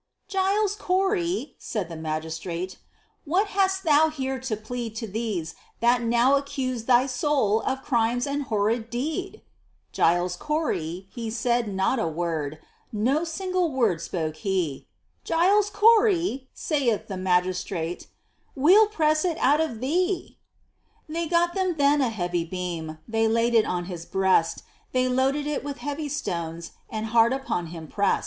"Giles Corey," said the Magistrate, "What hast thou heare to pleade To these that now accuse thy soule Of crimes and horrid deed?" Giles Corey, he said not a worde, No single worde spoke he. "Giles Corey," saith the Magistrate, "We'll press it out of thee." They got them then a heavy beam, They laid it on his breast; They loaded it with heavy stones, And hard upon him prest.